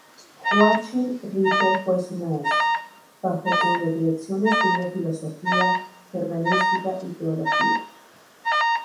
Joachim Ritter fue su maestro, bajo cuya dirección estudió filosofía, germanística y teología.